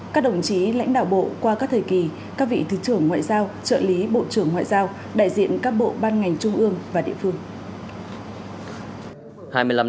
các đồng chí lãnh đạo bộ qua các thời kỳ các vị thứ trưởng ngoại giao trợ lý bộ trưởng ngoại giao đại diện các bộ ban ngành trung ương và địa phương